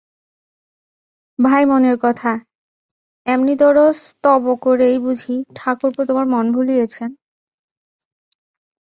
ভাই মনের কথা, এমনিতরো স্তব করেই বুঝি ঠাকুরপো তোমার মন ভুলিয়েছেন?